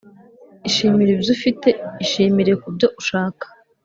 ishimire ibyo ufite. ishimire kubyo ushaka.